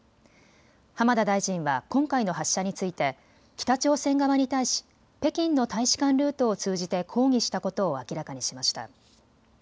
浜田大臣は今回の発射について北朝鮮側に対し北京の大使館ルートを通じて抗議したことを明らかにしました。